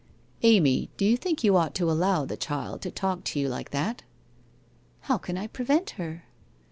1 Amy, do you think you ought to allow the child to talk to you like that?' ' How can 1 prevent her?